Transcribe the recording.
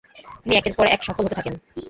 তিনি একের পর এক সফল হতে থাকেন।